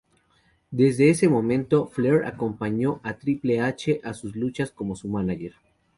Desde ese momento, Flair acompañó a Triple H a sus luchas como su mánager.